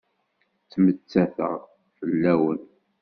Ttmettateɣ fell-awen.